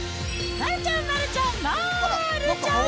丸ちゃん、丸ちゃん、丸ちゃん。